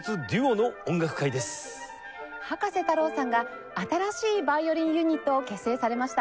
葉加瀬太郎さんが新しいヴァイオリンユニットを結成されました。